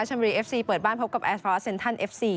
บุรีเอฟซีเปิดบ้านพบกับแอร์ฟรอสเซ็นทันเอฟซี